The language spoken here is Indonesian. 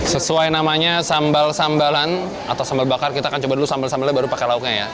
sesuai namanya sambal sambalan atau sambal bakar kita akan coba dulu sambal sambalnya baru pakai lauknya ya